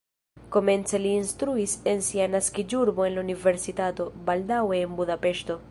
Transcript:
Komence li instruis en sia naskiĝurbo en la universitato, baldaŭe en Budapeŝto.